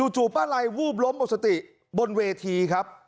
จู่ป้าลัยวูบล้มบนสติบนเวทีครับ